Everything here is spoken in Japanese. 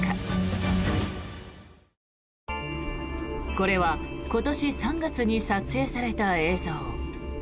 これは今年３月に撮影された映像。